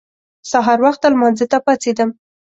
سهار وخته لمانځه ته پاڅېدم.